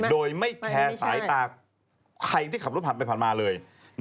โดยไม่แคร์สายตาใครที่ขับรถผ่านไปผ่านมาเลย